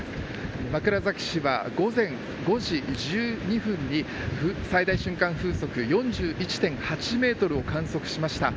枕崎市は午前５時１２分に最大瞬間風速４１．８メートルを観測しました。